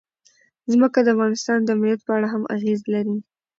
ځمکه د افغانستان د امنیت په اړه هم اغېز لري.